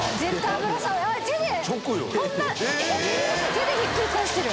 手でひっくり返してる。